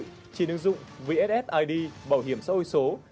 trên ứng dụng vssid bảo hiểm xã hội số